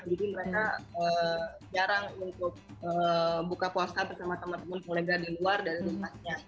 jadi mereka jarang untuk buka puasa bersama teman teman kolega di luar dan di rumahnya